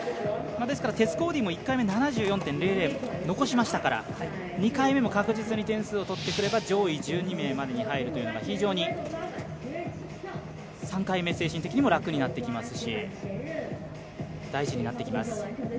テス・コーディも１回目７４．００を残しましたから、２回目も確実に点数を取ってくれば上位１２名に入るというのが非常に３回目の精神的にも楽になってきますし大事になってきます。